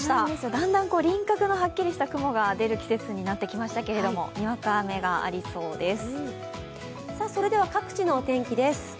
だんだん輪郭のはっきりした雲が出る季節になってきましたけれども、にわか雨がありそうです。